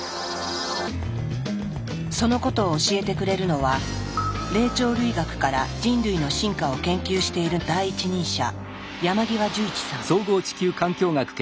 そのことを教えてくれるのは霊長類学から人類の進化を研究している第一人者